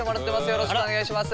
よろしくお願いします。